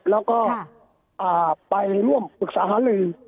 แล้วก็ไปร่วมอุปสรรค์หาเรือ